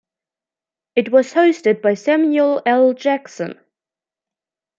It was hosted by Samuel L. Jackson.